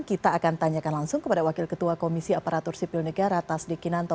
kita akan tanyakan langsung kepada wakil ketua komisi aparatur sipil negara tasdik kinanto